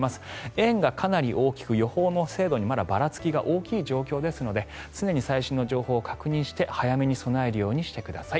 円がかなり大きく予報の精度にまだばらつきが大きい状況ですので常に最新の情報を確認して早めに備えるようにしてください。